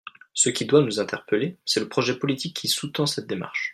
Ce qui doit nous interpeller, c’est le projet politique qui sous-tend cette démarche.